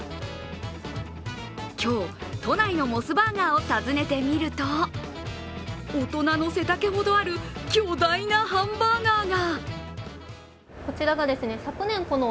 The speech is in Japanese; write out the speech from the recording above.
今日、都内のモスバーガーを訪ねてみると大人の背丈ほどある巨大なハンバーガーが。